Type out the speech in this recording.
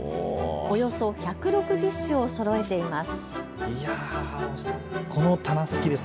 およそ１６０種をそろえています。